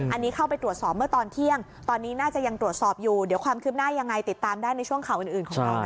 อันนี้เข้าไปตรวจสอบเมื่อตอนเที่ยงตอนนี้น่าจะยังตรวจสอบอยู่เดี๋ยวความคืบหน้ายังไงติดตามได้ในช่วงข่าวอื่นของเรา